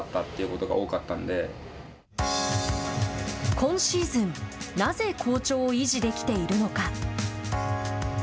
今シーズン、なぜ好調を維持できているのか。